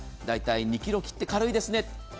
大体２ｋｇ切って、軽いですね。